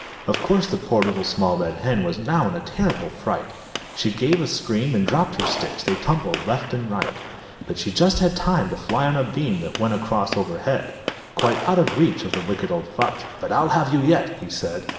Of course the poor Little Small Red Hen Was now in a terrible fright. She gave a scream and dropped her sticks, They tumbled left and right. But she just had time to fly on a beam That went across over head, Quite out of reach of the Wicked Old Fox. "But I'll have you yet," he said.